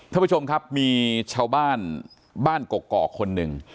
ท่านผู้ชมครับมีชาวบ้านบ้านกกอกคนหนึ่ง